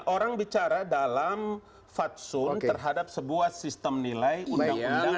orang bicara dalam fatsun terhadap sebuah sistem nilai undang undang